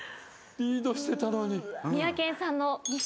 リードしてたのに。